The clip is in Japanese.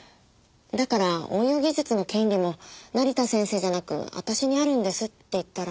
だから応用技術の権利も成田先生じゃなく私にあるんですって言ったら。